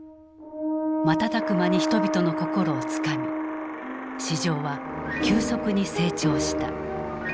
瞬く間に人々の心をつかみ市場は急速に成長した。